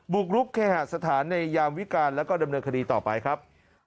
กรุกเคหาสถานในยามวิการแล้วก็ดำเนินคดีต่อไปครับ